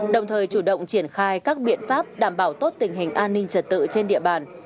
đồng thời chủ động triển khai các biện pháp đảm bảo tốt tình hình an ninh trật tự trên địa bàn